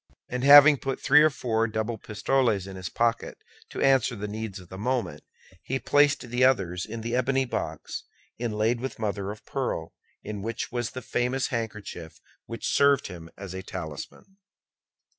And having put three or four double pistoles into his pocket to answer the needs of the moment, he placed the others in the ebony box, inlaid with mother of pearl, in which was the famous handkerchief which served him as a talisman.